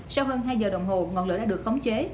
sau hơn hai giờ đồng hồ ngọn lửa đã được khống chế